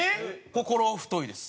心太いです。